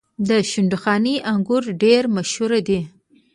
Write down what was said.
د شندخاني انګور ډیر مشهور دي.